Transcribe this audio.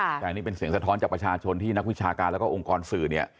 อันนี้เป็นเสียงสะท้อนจากประชาชนที่นักวิชาการและองค์กรสื่อ